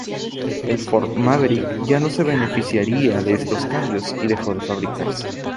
El Ford Maverick, ya no se beneficiará de estos cambios, y dejó de fabricarse.